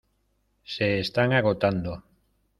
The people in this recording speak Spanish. Se están agotando.